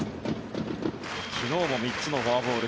昨日も３つのフォアボール